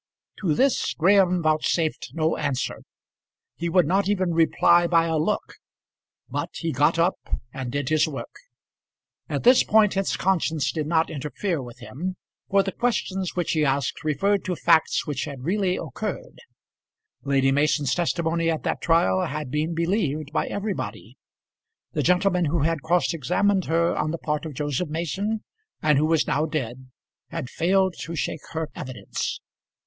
To this Graham vouchsafed no answer. He would not even reply by a look, but he got up and did his work. At this point his conscience did not interfere with him, for the questions which he asked referred to facts which had really occurred. Lady Mason's testimony at that trial had been believed by everybody. The gentleman who had cross examined her on the part of Joseph Mason, and who was now dead, had failed to shake her evidence.